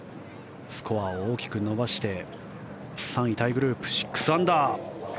スコアを大きく伸ばして３位タイグループ６アンダー。